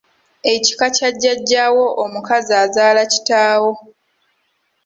Ekika kya Jjaajjaawo omukazi azaala kitaawo.